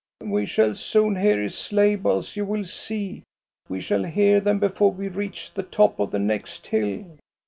" We shall soon hear his sleigh bells, you will see. We shall hear them before we reach the top of the next hill."